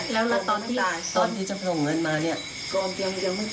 แล้วตอนที่จะส่งเงินมาเนี่ย